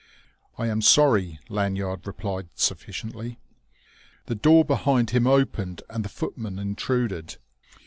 "I am sorry," Lanyard replied sufficiently. The door behind him opened, and the footman intruded.